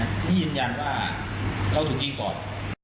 พี่ยืนยันว่าเราถูกยิงก่อน